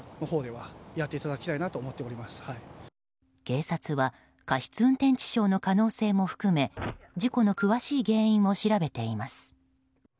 警察は過失運転致傷の可能性も含め事故の詳しい原因を調べています。